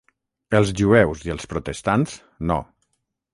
Els jueus i els protestants, no.